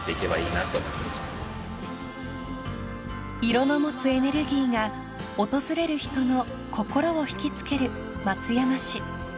［色の持つエネルギーが訪れる人の心を引きつける松山市］